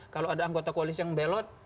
kalau ada anggota koalisi yang belot